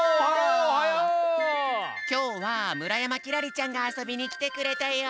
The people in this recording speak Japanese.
きょうは村山輝星ちゃんがあそびにきてくれたよ。